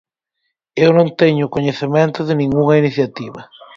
Eu non teño coñecemento de ningunha iniciativa.